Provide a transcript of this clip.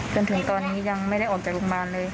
จนถึงตอนนี้ยังไม่ได้ออกจากโรงพยาบาลเลย